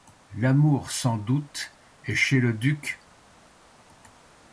L’amour, sans doute. — Et chez le duc ?